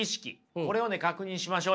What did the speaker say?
これをね確認しましょうよ。